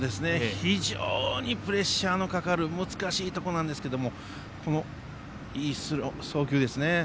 非常にプレッシャーのかかる難しいところですがいい送球でしたね。